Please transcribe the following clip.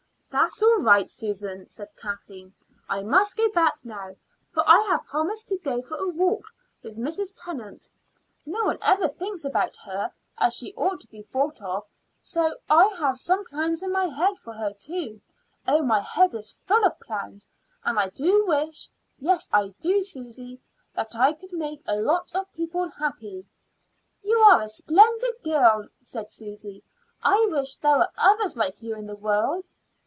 "That's all right, Susan," said Kathleen. "I must go back now, for I have promised to go for a walk with Mrs. Tennant. No one ever thinks about her as she ought to be thought of; so I have some plans in my head for her, too. Oh, my head is full of plans, and I do wish yes, I do, Susy that I could make a lot of people happy." "You are a splendid girl," said Susy. "I wish there were others like you in the world."